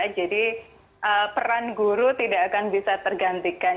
jadi peran guru tidak akan bisa tergantikan